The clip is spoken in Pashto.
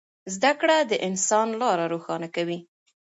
زده کړه د انسان لاره روښانه کوي.